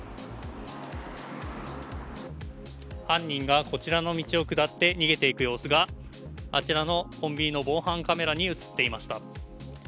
犯人がこちらの道を下って逃げていく様子が、あちらのコンビニの防犯カメラに映っていました。